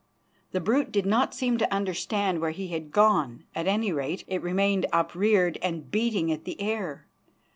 The brute did not seem to understand where he had gone at any rate, it remained upreared and beating at the air.